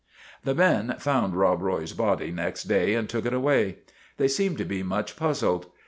" The men found Rob Roy's body next day and took it away. They seemed to be much puzzled.